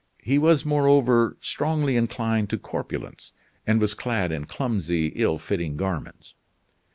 He was, moreover, strongly inclined to corpulence, and was clad in clumsy, ill fitting garments.